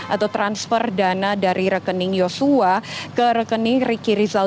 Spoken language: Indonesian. atau transfer dana dari rekening yosua ke rekening riki rizal